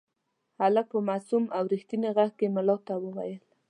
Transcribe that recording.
هلک په معصوم او رښتیني غږ کې ملا ته وویل.